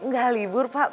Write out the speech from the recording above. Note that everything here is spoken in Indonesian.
gak libur pak